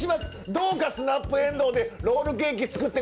どうかスナップエンドウでロールケーキ作って下さい」。